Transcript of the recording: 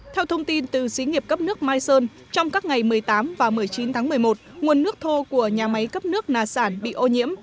theo thông tin từ xí nghiệp cấp nước mai sơn trong các ngày một mươi tám và một mươi chín tháng một mươi một nguồn nước thô của nhà máy cấp nước nà sản bị ô nhiễm